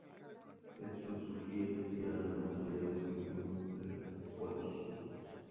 Esto sugiere que eran más aliados que miembros de la Coalición.